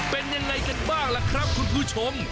เป็นยังไงกันบ้างล่ะครับคุณผู้ชม